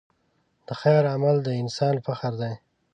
د خیر عمل د انسان فخر دی.